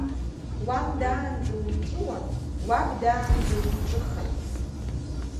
Уан даанӡа умҵәуан, уаб даанӡа умҿыхан.